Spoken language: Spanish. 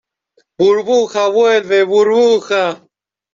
¡ burbuja, vuelve! ¡ burbuja !